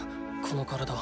この体。